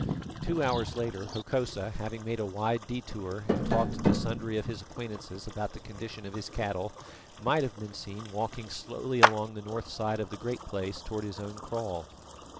Two hours later, Hokosa, having made a wide detour and talked to sundry of his acquaintances about the condition of his cattle, might have been seen walking slowly along the north side of the Great Place towards his own kraal.